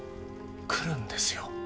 来るんですよ。